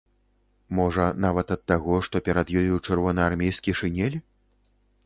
Можа, нават ад таго, што перад ёю чырвонаармейскі шынель?